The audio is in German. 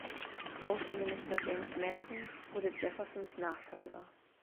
Außenminister James Madison wurde Jeffersons Nachfolger.